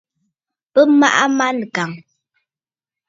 Bɨ maʼa manɨkàŋə̀.